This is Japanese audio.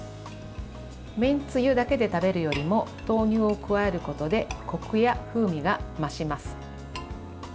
めんつゆだけで食べるよりも豆乳を加えることでこくや風味が増します。